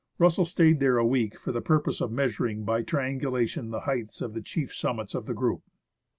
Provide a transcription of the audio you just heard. Russell stayed there a week for the purpose of measuring by triangulation the heights of the chief summits of the group.